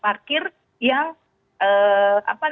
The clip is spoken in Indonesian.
pemerintah yang sudah menerapkan